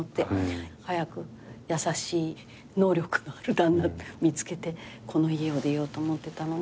早く優しい能力のある旦那見つけてこの家を出ようと思ってたのに。